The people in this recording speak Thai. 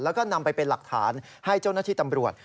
แล้วก็นำไปเป็นหลักฐานให้เจ้าหน้าที่ตำรวจ